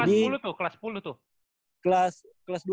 itu kelas sepuluh tuh